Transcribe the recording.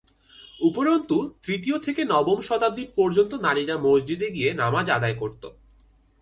উপরন্তু, তৃতীয় থেকে নবম শতাব্দী পর্যন্ত নারীরা মসজিদে গিয়ে নামাজ আদায় করত।